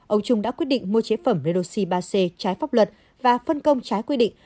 ông trung đã quyết định mua chế phẩm redoxi ba c trái pháp luật và phân công trái quy định